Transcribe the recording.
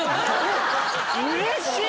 うれしい。